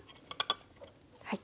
はい。